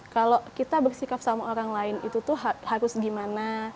kalau kita bersikap sama orang lain itu tuh harus gimana